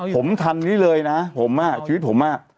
ผมทานนี้เลยนะชีวิตผมอะ